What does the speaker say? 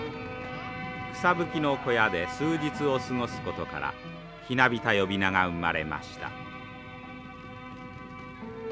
草ぶきの小屋で数日を過ごすことからひなびた呼び名が生まれました。